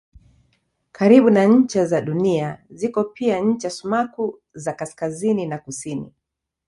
Karibu na ncha za Dunia ziko pia ncha sumaku za kaskazini na kusini.